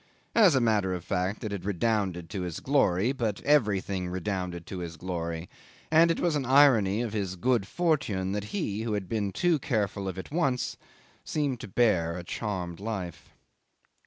As a matter of fact, it had redounded to his glory. But everything redounded to his glory; and it was the irony of his good fortune that he, who had been too careful of it once, seemed to bear a charmed life.